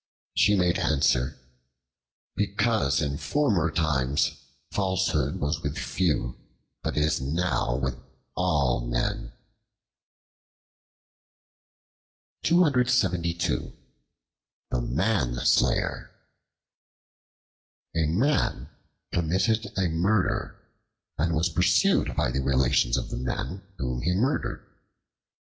She made answer, "Because in former times, falsehood was with few, but is now with all men." The Manslayer A MAN committed a murder, and was pursued by the relations of the man whom he murdered.